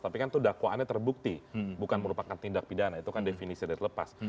tapi kan itu dakwaannya terbukti bukan merupakan tindak pidana itu kan definisi dari lepas